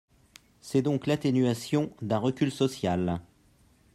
C’est donc l’atténuation d’un recul social.